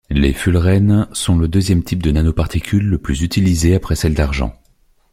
Les fullerènes sont le deuxième type de nanoparticules le plus utilisé après celles d’argent.